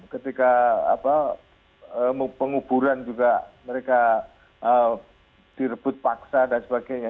ketika penguburan juga mereka direbut paksa dan sebagainya